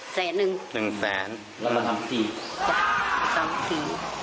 แสนหนึ่งสันสี่สามสี่สี่สามสี่